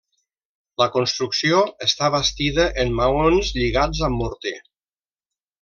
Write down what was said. La construcció està bastida en maons lligats amb morter.